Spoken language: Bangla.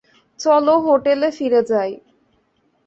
চলো, হোটেলে ফিরে যাই।